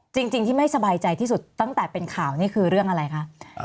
จริงที่ไม่สบายใจที่สุดตั้งแต่เป็นข่าวนี่คือเรื่องอะไรคะ